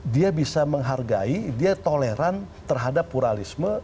dia bisa menghargai dia toleran terhadap pluralisme